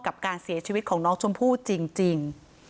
กับการเสียชีวิตของน้องชมพู่จริง